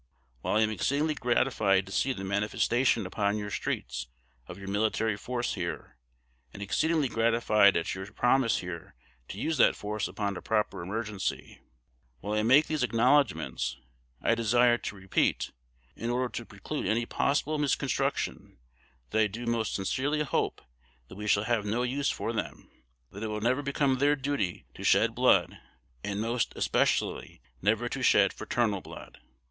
While I am exceedingly gratified to see the manifestation upon your streets of your military force here, and exceedingly gratified at your promise here to use that force upon a proper emergency; while I make these acknowledgments, I desire to repeat, in order to _preclude any possible misconstruction, that I do most sincerely hope that we shall have no use for them; that it will never become their duty to shed Hood, and most especially never to shed fraternal blood_.